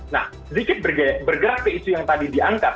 nah sedikit bergerak ke isu yang tadi diangkat